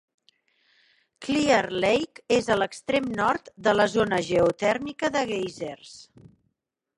Clear Lake és a l'extrem nord de la zona geotèrmica de Geysers.